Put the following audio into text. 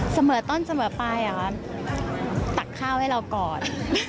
เสมอต้นเสมอไปตักข้าวให้เราก่อน